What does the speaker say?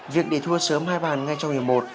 việc để thua sớm hai bàn ngay trong hiệp một